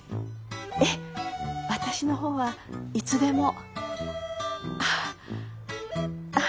ええ私の方はいつでも。